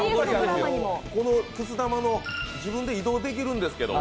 このくす玉、自分で移動できるんですけど。